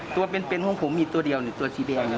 ตัวเป็นห้องผมมีตัวเดียวตัวสีแดงนี่